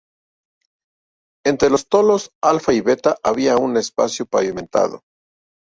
Entre los tholos alfa y beta había un espacio pavimentado.